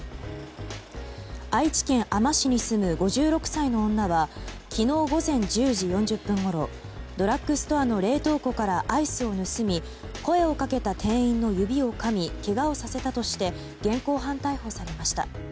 愛知県あま市に住む５６歳の女は昨日午前１０時４０分ごろドラッグストアの冷凍庫からアイスを盗み声をかけた店員の指をかみけがをさせたとして現行犯逮捕されました。